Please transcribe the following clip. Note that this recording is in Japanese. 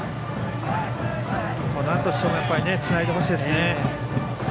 なんとしてもつないでほしいですね。